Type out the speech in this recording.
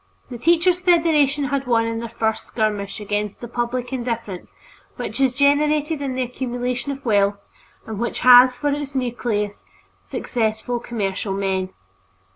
The Teachers' Federation had won in their first skirmish against that public indifference which is generated in the accumulation of wealth and which has for its nucleus successful commercial men.